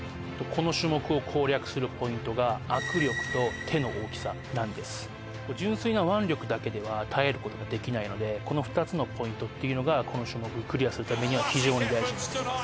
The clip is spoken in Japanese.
この種目の純粋な腕力だけでは耐えることができないのでこの２つのポイントっていうのがこの種目クリアするためには非常に大事になってきます